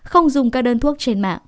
không dùng các đơn thuốc